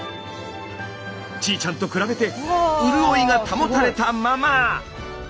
ちーちゃんと比べて潤いが保たれたまま。